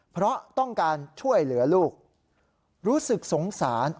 เพราะต้องการช่วยเหลือลูกรู้สึกสงสาร